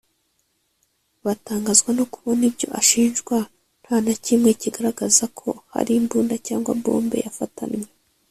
batangazwa no kubona ibyo ashinjwa nta na kimwe kigaragaza ko hari imbunda cyangwa bombe yafatanywe